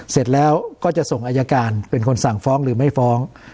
เสร็จแล้วก็จะส่งอายการเป็นคนสั่งฟ้องหรือไม่ฟ้อง